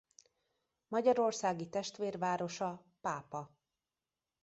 Magyarországi testvérvárosa Pápa.